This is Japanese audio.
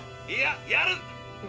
いややる！